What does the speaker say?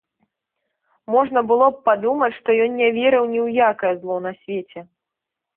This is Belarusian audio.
Можна было б падумаць, што ён не верыў ні ў якое зло на свеце.